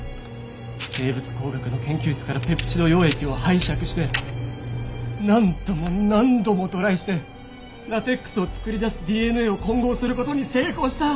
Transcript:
生物工学の研究室からペプチド溶液を拝借して何度も何度もトライしてラテックスを作り出すＤＮＡを混合する事に成功した！